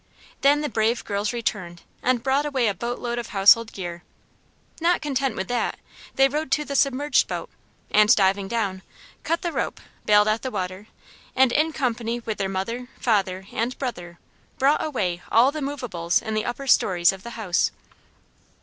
Then the brave girls returned and brought away a boat load of household gear. Not content with that they rowed to the submerged boat, and diving down, cut the rope, baled out the water, and in company with their mother, father, and brother, brought away all the moveables in the upper stories of the house.